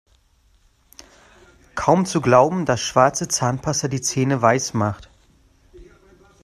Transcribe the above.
Kaum zu glauben, dass schwarze Zahnpasta die Zähne weiß macht!